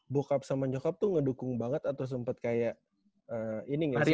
book up sama nyokap tuh ngedukung banget atau sempet kayak ini gak sih